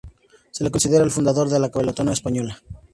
Se le considera el fundador de la paleontología española.